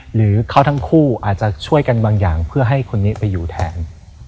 หรือเขาทั้งคู่อาจจะช่วยกันบางอย่างเพื่อให้คนนี้ไปอยู่แทน